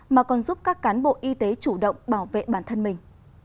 mà còn giúp các cán bộ y tế chủ động bảo vệ bản thân mình